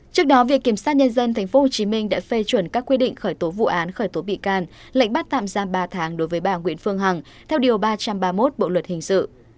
trước đó viện kiểm sát nhân dân tp hcm đã phê chuẩn các quy định khởi tố vụ án khởi tố bị can lệnh bắt tạm giam ba tháng đối với bà nguyễn phương hằng theo điều ba trăm ba mươi một bộ luật hình sự